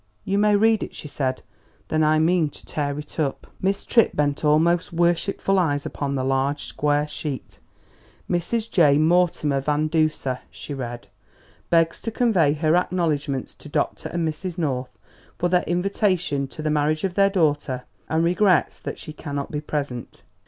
"You may read it," she said; "then I mean to tear it up." Miss Tripp bent almost worshipful eyes upon the large, square sheet. "Mrs. J. Mortimer Van Duser" (she read) "begs to convey her acknowledgments to Dr. and Mrs. North for their invitation to the marriage of their daughter, and regrets that she cannot be present.